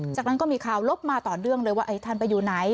จากนั้นก็มีข่าวลบมาต่อเนื่องเลยว่าท่านไปอยู่ไหน